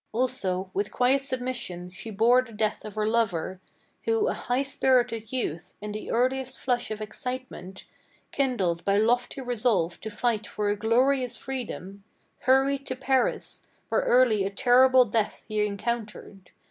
Also, with quiet submission, she bore the death of her lover, Who a high spirited youth, in the earliest flush of excitement, Kindled by lofty resolve to fight for a glorious freedom, Hurried to Paris, where early a terrible death he encountered.